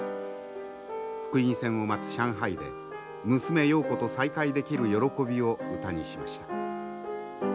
復員船を待つ上海で娘瑤子と再会できる喜びを歌にしました。